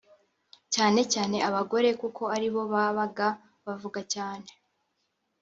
cyane cyane abagore kuko ari bo babaga bavuga cyane